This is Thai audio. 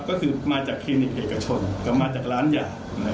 ก็คือมาจากคลินิกอเอกชนมาจากร้านยา